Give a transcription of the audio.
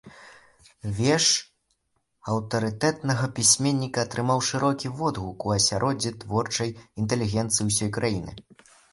Верш аўтарытэтнага пісьменніка атрымаў шырокі водгук у асяроддзі творчай інтэлігенцыі ўсёй краіны.